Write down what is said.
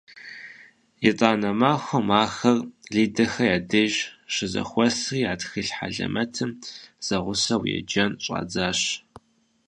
ЕтӀанэ махуэм ахэр Лидэхэ я деж щызэхуэсри а тхылъ хьэлэмэтым зэгъусэу еджэн щӀадзащ.